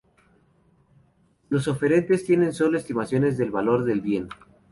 Los oferentes tienen sólo estimaciones del valor del bien.